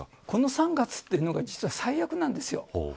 この３月というのが実は最悪なんですよ。